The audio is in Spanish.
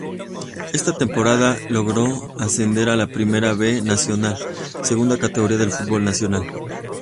Esa temporada logró ascender a la Primera B Nacional, segunda categoría del fútbol nacional.